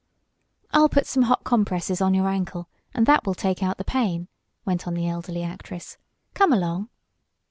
"I'll put some hot compresses on your ankle, and that will take out the pain," went on the elderly actress. "Come along."